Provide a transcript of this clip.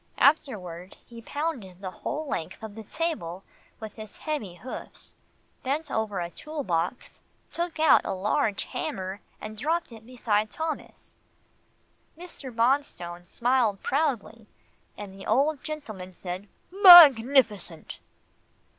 Afterward, he pounded the whole length of the stable with his heavy hoofs, bent over a tool box, took out a large hammer, and dropped it beside Thomas. Mr. Bonstone smiled proudly, and the old gentleman said, "Magnificent!"